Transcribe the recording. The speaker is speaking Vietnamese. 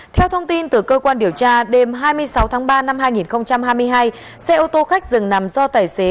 theo thông tin từ cơ quan điều tra đêm hai mươi sáu tháng ba năm hai nghìn hai mươi hai xe ô tô khách dừng nằm do tài xế